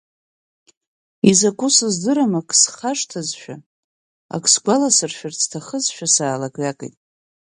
Изакәу сыздырам акы схашҭызшәа, ак сгәаласыршәарц сҭахызшәа саалак-ҩакит.